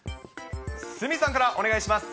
鷲見さんからお願いします。